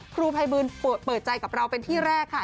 ครูภัยบูลเปิดใจกับเราเป็นที่แรกค่ะ